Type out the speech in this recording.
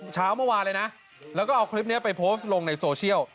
เช้าเมื่อวานเลยนะแล้วก็เอาคลิปนี้ไปโพสต์ลงในโซเชียล